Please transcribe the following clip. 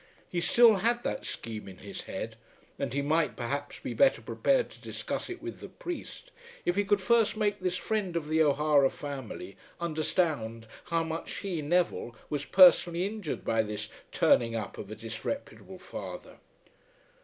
He still had that scheme in his head, and he might perhaps be better prepared to discuss it with the priest if he could first make this friend of the O'Hara family understand how much he, Neville, was personally injured by this "turning up" of a disreputable father.